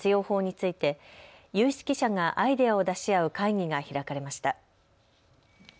法について有識者がアイデアを出し合う会議が開かれました。